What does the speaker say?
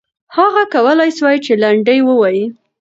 هغې کولای سوای چې لنډۍ ووایي.